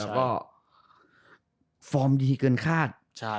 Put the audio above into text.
แล้วก็ฟอร์มดีเกินคาด